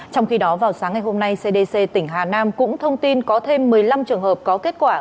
trong khi đó vào sáng ngày hôm nay cdc tỉnh hà nam cũng thông tin có thêm một mươi năm trường hợp có kết quả